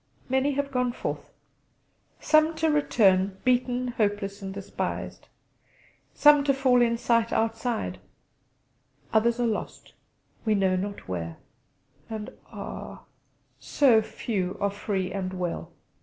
Many have gone forth; some to return, beaten, hopeless, and despised; some to fall in sight outside; others are lost, we know not where; and ah! so few are free and well.